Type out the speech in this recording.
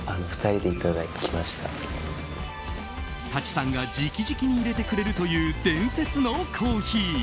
舘さんが直々に入れてくれるという伝説のコーヒー。